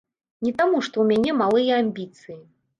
Не таму, што ў мяне малыя амбіцыі.